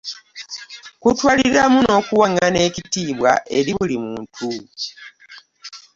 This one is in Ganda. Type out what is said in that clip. Kutwaliramu n'okuwangana ekitiibwa eri buli muntu.